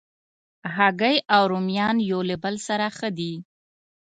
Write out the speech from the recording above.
هګۍ او رومیان یو بل سره ښه دي.